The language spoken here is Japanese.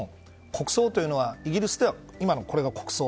国葬というのはイギリスでは、今のこれが国葬。